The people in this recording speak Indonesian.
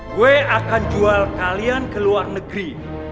gue akan jual kalian ke luar negeri